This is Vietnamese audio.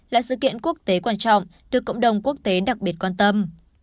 hai nghìn hai mươi bốn là sự kiện quốc tế quan trọng được cộng đồng quốc tế đặc biệt quan tâm